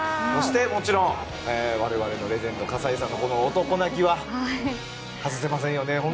そして、もちろん我々のレジェンド葛西さんの男泣きは外せませんよね。